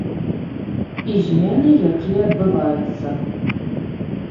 І змены, якія адбываюцца.